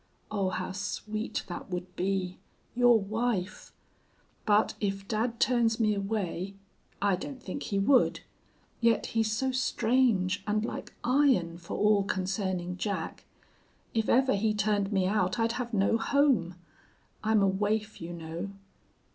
Oh, how sweet that would be your wife!... But if dad turns me away I don't think he would. Yet he's so strange and like iron for all concerning Jack. If ever he turned me out I'd have no home. I'm a waif, you know.